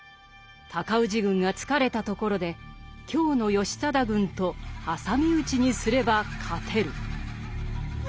尊氏軍が疲れたところで京の義貞軍と挟み撃ちにすれば勝てる」。